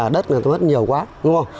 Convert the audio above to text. đất mất nhiều quá đúng không